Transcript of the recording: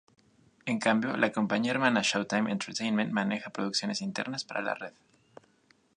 En cambio, la compañía hermana Showtime Entertainment maneja producciones internas para la red.